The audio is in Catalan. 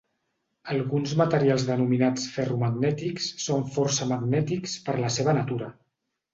Alguns materials denominats ferromagnètics són força magnètics per la seva natura.